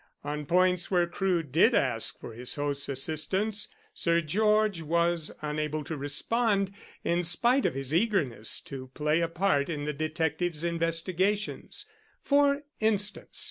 On points where Crewe did ask for his host's assistance, Sir George was unable to respond, in spite of his eagerness to play a part in the detective's investigations. For instance.